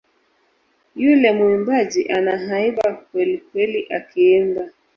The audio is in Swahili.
Yule muimbaji ana haiba kwelikweli akiimba